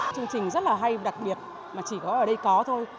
chương trình rất là hay đặc biệt mà chỉ có ở đây có thôi